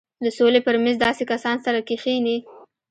د سولې پر مېز داسې کسان سره کښېني.